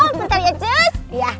sebentar ya cus